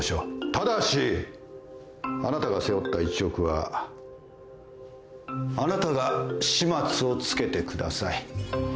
ただしあなたが背負った１億はあなたが始末をつけてください。